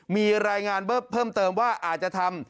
มีรายงานเพิ่มเติมว่าอาจจะทำ